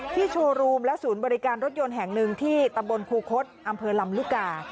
โชว์รูมและศูนย์บริการรถยนต์แห่งหนึ่งที่ตำบลครูคศอำเภอลำลูกกา